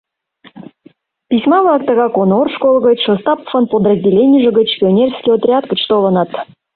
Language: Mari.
Письма-влак тыгак Онор школ гыч, Остаповын подразделенийже гыч, пионерский отряд гыч толыныт.